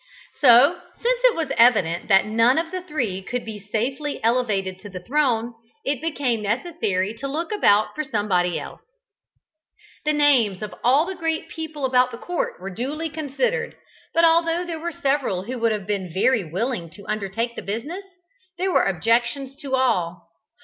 So, since it was evident that none of the three could be safely elevated to the throne, it became necessary to look about for somebody else. The names of all the great people about the court were duly considered, but although there were several who would have been very willing to undertake the business, there were objections to all.